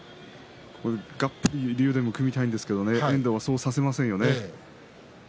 がっぷり竜電も組みたいんですけれども遠藤はそうさせませんね。